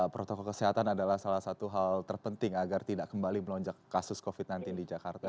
protokol kesehatan adalah salah satu hal terpenting agar tidak kembali melonjak kasus covid sembilan belas di jakarta